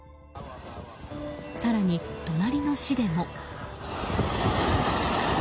更に、隣の市でも。